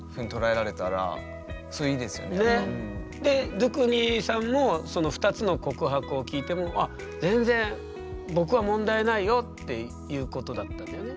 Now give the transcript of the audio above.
でドゥクニさんも２つの告白を聞いても「全然僕は問題ないよ」っていうことだったんだよね？